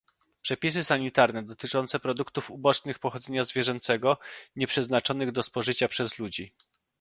Przepisy sanitarne dotyczące produktów ubocznych pochodzenia zwierzęcego, nieprzeznaczonych do spożycia przez ludzi